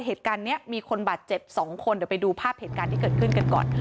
เหตุการณ์เนี่ยมีคนบาดเจ็บ๒คนเดี๋ยวไปดูภาพเกิดขึ้นกันก่อน